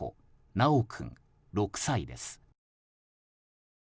修君、６歳です。